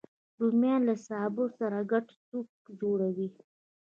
رومیان له سابه سره ګډ سوپ جوړوي